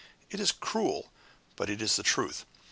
It is cruel but it is the truth!